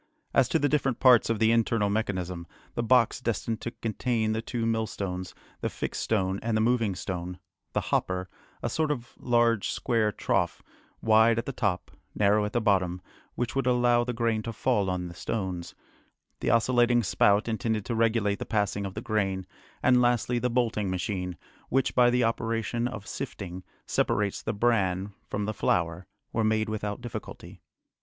As to the different parts of the internal mechanism, the box destined to contain the two millstones, the fixed stone and the moving stone, the hopper, a sort of large square trough, wide at the top, narrow at the bottom, which would allow the grain to fall on the stones, the oscillating spout intended to regulate the passing of the grain, and lastly the bolting machine, which by the operation of sifting, separates the bran from the flour, were made without difficulty.